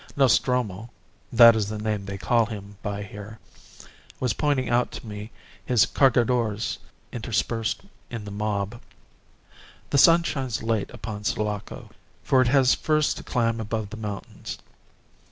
Nostromo (that is the name they call him by here) was pointing out to me his Cargadores interspersed in the mob. "The sun shines late upon Sulaco, for it has first to climb above the mountains.